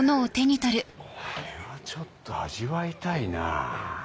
これはちょっと味わいたいな。